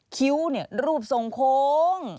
คิ้วรูปสงโค้ง